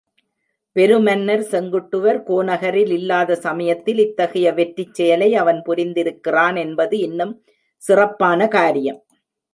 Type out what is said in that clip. பெருமன்னர் செங்குட்டுவர் கோநகரில் இல்லாத சமயத்தில் இத்தகைய வெற்றிச் செயலை அவன் புரிந்திருக்கிறான் என்பது இன்னும் சிறப்பான காரியம்.